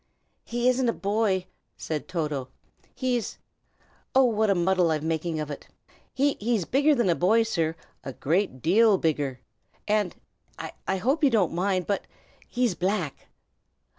"He isn't a boy," said Toto. "He's oh! what a muddle I'm making of it! He's bigger than a boy, sir, a great deal bigger. And I hope you won't mind, but he's black!"